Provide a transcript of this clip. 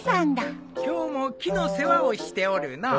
今日も木の世話をしておるのう。